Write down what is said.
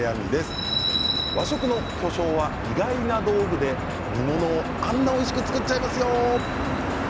和食の巨匠は意外な道具で煮物をあんなにおいしく作っちゃいますよ。